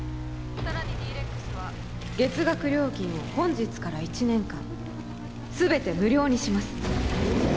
さらにＤ−ＲＥＸは月額料金を本日から１年間全て無料にします